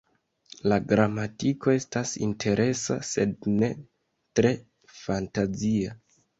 La gramatiko estas interesa sed ne tre fantazia.